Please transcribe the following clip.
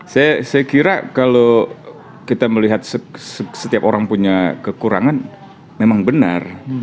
saya kira kalau kita melihat setiap orang punya kekurangan memang benar